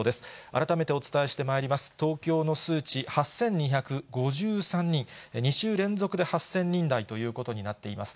改めてお伝えしてまいります、東京の数値、８２５３人、２週連続で８０００人台ということになっています。